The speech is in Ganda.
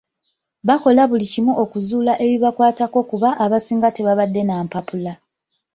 Bakola buli kimu okuzuula ebibakwatako kuba abasinga tebabadde na mpapula.